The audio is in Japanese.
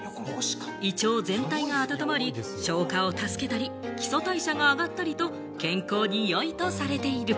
胃腸全体が温まり、消化を助けたり、基礎代謝が上がったりと健康に良いとされている。